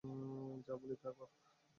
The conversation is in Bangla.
যা বলি তা কর?